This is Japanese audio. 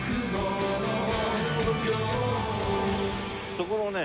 そこのね。